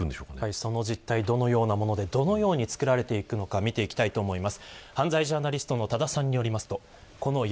その実態、どのようなものでどのように作られていくのか見ていきます。